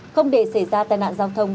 không để xảy ra tai nạn giao thông